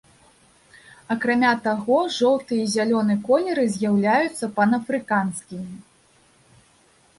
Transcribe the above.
Акрамя таго, жоўты і зялёны колеры з'яўляюцца панафрыканскімі.